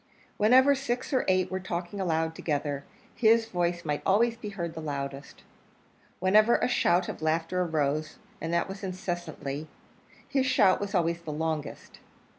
Whenever six or eight were talking aloud together, his voice might always be heard the loudest. Whenever a shout of laughter arose and that was incessantly his shout was always the longest.